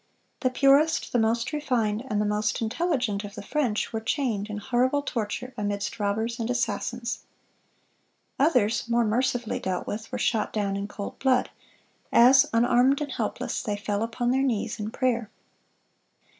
The purest, the most refined, and the most intelligent of the French, were chained, in horrible torture, amidst robbers and assassins.(396) Others, more mercifully dealt with, were shot down in cold blood, as, unarmed and helpless, they fell upon their knees in prayer.